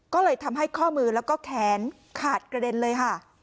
ก็เลยทำให้ข้อมือแล้วก็แขนขาดกระเด็นเลยค่ะ